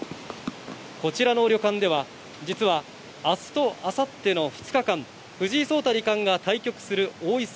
こちらの旅館では、実はあすとあさっての２日間、藤井聡太二冠が対局する王位戦